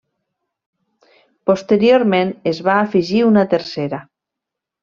Posteriorment es va afegir una tercera.